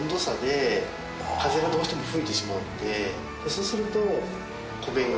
そうすると。